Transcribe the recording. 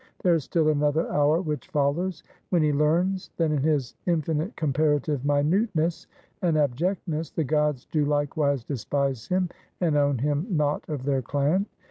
There is still another hour which follows, when he learns that in his infinite comparative minuteness and abjectness, the gods do likewise despise him, and own him not of their clan.